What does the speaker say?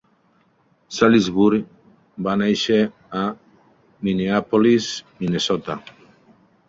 Salisbury va néixer a Minneapolis, Minnesota.